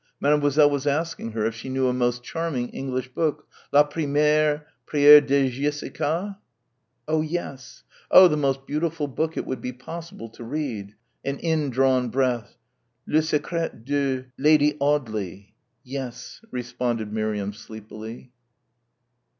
Mademoiselle was asking her if she knew a most charming English book ... "La Première Prière de Jessica"? "Oh yes." "Oh, the most beautiful book it would be possible to read." An indrawn breath, "Le Secret de Lady Audley." "Yes," responded Miriam sleepily.